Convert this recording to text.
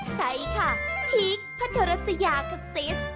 ใช่ค่ะพีคพัทรัสยาคาซิส